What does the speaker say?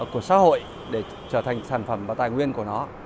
của xã hội để trở thành sản phẩm và tài nguyên của nó